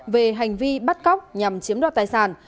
về hành vi bắt cóc nhằm chiếm đoạt tài sản